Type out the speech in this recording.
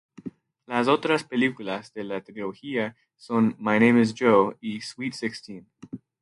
Las otras películas de la trilogía son "My name is Joe" y "Sweet Sixteen".